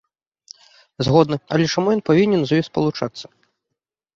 Згодны, але чаму ён павінен з ёй спалучацца?